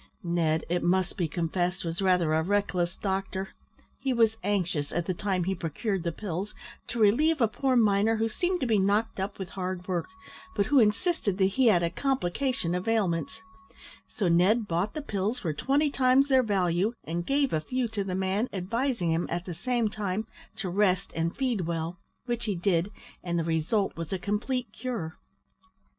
Ned, it must be confessed, was rather a reckless doctor. He was anxious, at the time he procured the pills, to relieve a poor miner who seemed to be knocked up with hard work, but who insisted that he had a complication of ailments; so Ned bought the pills for twenty times their value, and gave a few to the man, advising him, at the same time, to rest and feed well, which he did, and the result was a complete cure.